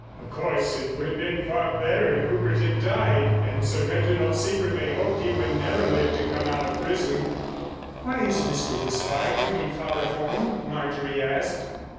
Of course, it would have been far better if Rupert had died, and Sir Reginald secretly hoped he would never live to come out of prison. "Why is Mr. Despard bringing father home?" Marjorie asked.